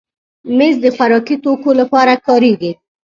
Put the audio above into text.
مېز د خوراکي توکو لپاره کارېږي.